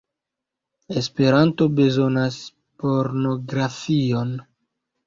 Esperanto bezonas pornografion